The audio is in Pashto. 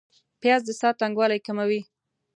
پیاز د ساه تنګوالی کموي